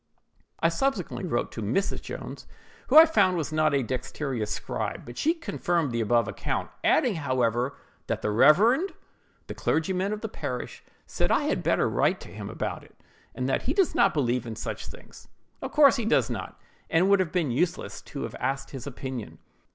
I subsequently wrote to Mrs. Jones, who I found was not a very dexterous scribe; but she confirmed the above account—adding, however, that the Rev. Mr. ——, the clergyman of the parish, said I had better write to him about it, and that he does not believe in such things. Of course he does not, and it would have been useless to have asked his opinion.